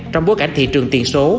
trong bước ảnh thị trường tiền số